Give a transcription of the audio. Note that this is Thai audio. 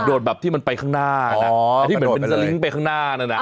แบบที่มันไปข้างหน้านะไอ้ที่เหมือนเป็นสลิงค์ไปข้างหน้านั่นอ่ะ